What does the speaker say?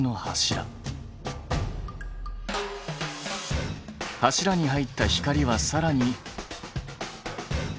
柱に入った光はさらに。